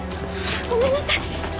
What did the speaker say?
ごめんなさい！